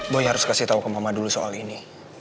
boy harus kasih tahu ke mama dulu soal ini